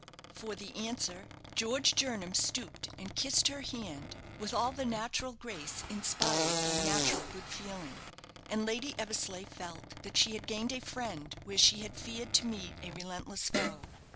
For the answer, George Jernam stooped and kissed her hand, with all the natural grace inspired by natural good feeling, and Lady Eversleigh felt that she had gained a friend where she had feared to meet a relentless foe.